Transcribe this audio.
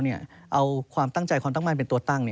เอาความตั้งใจความตั้งมั่นเป็นตัวตั้ง